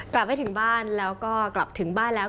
ไม่ถึงบ้านแล้วก็กลับถึงบ้านแล้ว